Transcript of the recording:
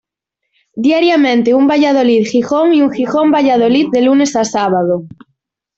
Diariamente un Valladolid-Gijón y un Gijón-Valladolid de lunes a sábado.